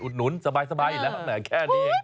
อุดหนุนสบายแล้วแม่งแค่นี้